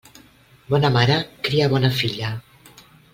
Bona mare cria bona filla.